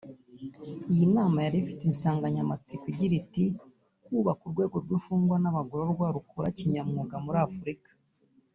Iyi nama yari ifite insanganyamatsiko igira iti “Kubaka urwego rw’imfungwa n’abagororwa rukora kinyamwuga muri Afurika